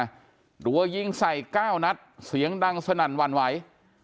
หรือยิงใส่ก้าวนัดเสียงดังสนั่นวันไหว